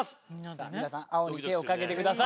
さぁ皆さん青に手をかけてください。